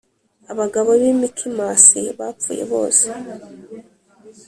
abagabo b i Mikimasi bapfuye bose